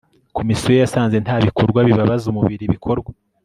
komisiyo yasanze nta bikorwa bibabaza umubiri bikorwa